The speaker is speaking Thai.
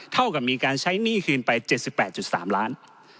เท่ากับมีการใช้หนี้คืนไป๗๘๓ล้าน